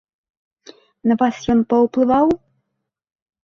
На вас ён паўплываў?